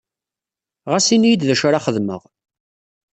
Ɣas ini-iyi-d d acu ara xedmeɣ.